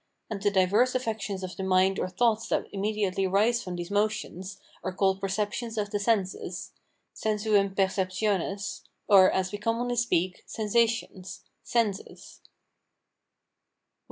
And the diverse affections of the mind or thoughts that immediately arise from these motions, are called perceptions of the senses (SENSUUM PERCEPTIONES), or, as we commonly speak, sensations (SENSUS). CXC.